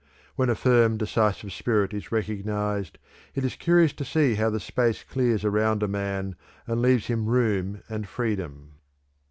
When a firm, decisive spirit is recognized, it is curious to see how the space clears around a man and leaves him room and freedom."